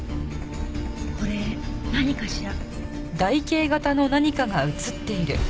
これ何かしら？